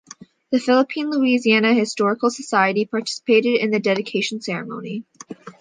The Philippine-Louisiana Historical Society participated in the dedication ceremony.